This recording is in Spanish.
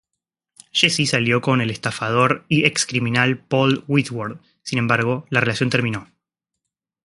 Jessie salió con el estafador y ex-criminal Paul Whitworth, sin embargo la relación terminó.